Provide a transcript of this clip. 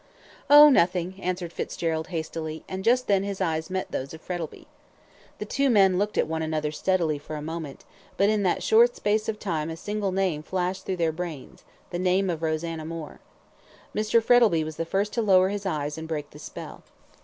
"Oh, nothing," answered Fitzgerald, hastily, and just then his eyes met those of Frettlby. The two men looked at one another steadily for a moment, but in that short space of time a single name flashed through their brains the name of Rosanna Moore. Mr. Frettlby was the first to lower his eyes, and break the spell.